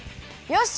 よし！